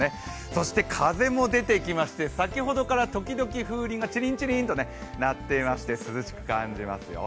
そして風も出てきまして先ほどから時々、風鈴がちりんちりんと鳴っていまして、涼しく感じますよ。